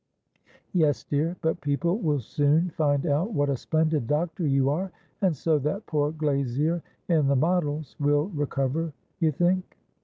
"Yes, dear; but people will soon find out what a splendid doctor you are; and so that poor glazier in the Models will recover, you think?"